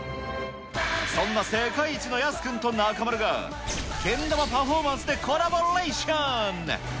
そんな世界一のヤス君と中丸が、けん玉パフォーマンスでコラボレーション。